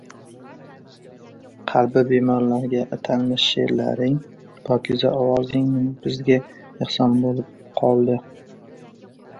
Qalbi bemorlarga atalmish sheʼrlaring, pokiza ovozing bizga ehson boʻlib qoldi.